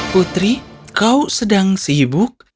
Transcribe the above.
putri kau sedang sibuk